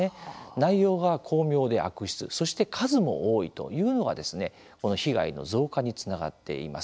内容が巧妙で悪質そして、数も多いというのがこの被害の増加につながっています。